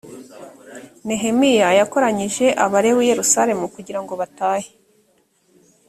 nehemiya yakoranyirije abalewi i yerusalemu kugira ngo batahe.